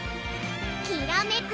きらめく